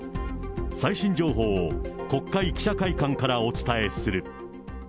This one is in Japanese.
最新情報を国会記者会館からお伝えする。